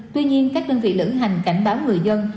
tuy nhiên các đơn vị lữ hành cảnh báo người dân